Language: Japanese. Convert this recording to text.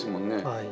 はい。